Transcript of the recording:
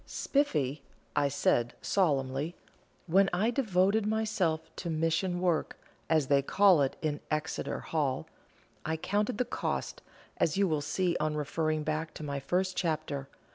"Spiffy," said I, solemnly, "when I devoted myself to 'mission work,' as they call it in Exeter Hall, I counted the cost, as you will see on referring back to my first chapter.